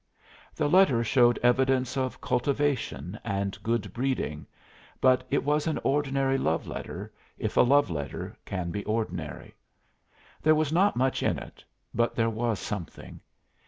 The letter showed evidence of cultivation and good breeding, but it was an ordinary love letter, if a love letter can be ordinary. There was not much in it, but there was something.